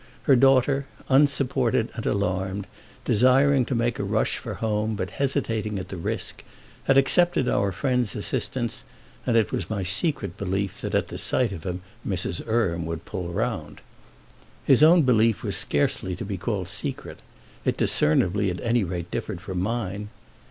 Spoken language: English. Her daughter, unsupported and alarmed, desiring to make a rush for home but hesitating at the risk, had accepted our friend's assistance, and it was my secret belief that at sight of him Mrs. Erme would pull round. His own belief was scarcely to be called secret; it discernibly at any rate differed from mine.